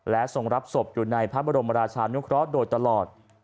แล้วส่งรับศพอยู่ในพระบรมราชานุครอสโดดตลอด